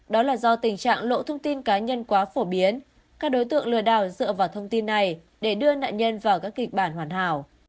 đó là do tình trạng lộ thông tin cá nhân quá phổ biến các đối tượng lừa đảo dựa vào thông tin này để đưa nạn nhân vào các kịch bản hoàn hảo